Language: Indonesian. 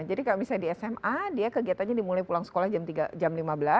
jadi kalau misalnya di sma dia kegiatannya dimulai pulang sekolah jam lima belas